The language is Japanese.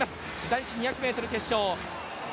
男子２００ｍ決勝。